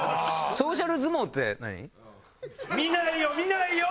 「ソーシャル相撲」って。